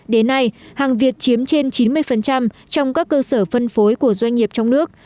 đến nay hàng việt chiếm trên chín mươi trong các cơ sở phân phối của doanh nghiệp trong nước